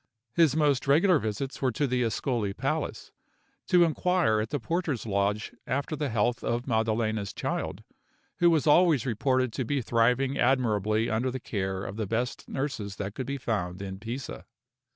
His most regular visits were to the Ascoli Palace, to inquire at the porter's lodge after the health of Maddalena's child, who was always reported to be thriving admirably under the care of the best nurses that could be found in Pisa.